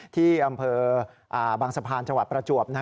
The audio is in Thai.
ที่อำเภอบางสะพานจังหวัดประจวบ